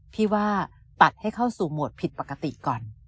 พี่ว่าตัดให้เข้าสู่โหมดผิดปกติก่อน